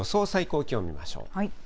最高気温を見ましょう。